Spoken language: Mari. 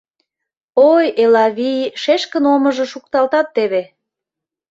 Ой, Элавий шешкын омыжо шукталтат теве.